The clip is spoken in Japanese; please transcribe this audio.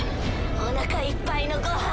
おなかいっぱいのご飯。